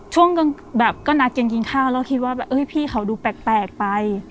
ช่วงก็นัดกินข้าวแล้วคิดว่าพี่เขาดูแปลกไป